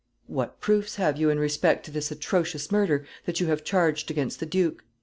"What proofs have you in respect to this atrocious murder that you have charged against the duke?"